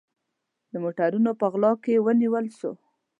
د موټروپه غلا کې ونیول سو